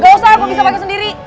gak usah kok bisa pake sendiri